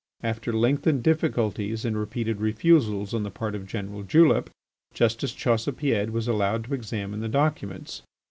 After lengthened difficulties and repeated refusals on the part of General Julep, Justice Chaussepied was allowed to examine the documents.